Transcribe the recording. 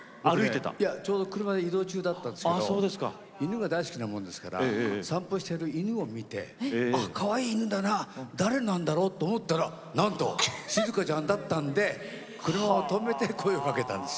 ちょうど車で移動中だったんですけど犬が大好きなものですから散歩している犬を見てかわいい犬だな誰なんだろうと思ったらなんと静香ちゃんだったんで車を止めて声をかけたんです。